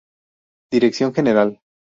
Dirección General